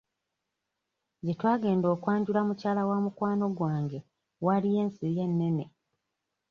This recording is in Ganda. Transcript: Gye twagenda okwanjula mukyala wa mukwano gwange waaliyo ensiri ennene.